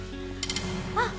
あっ！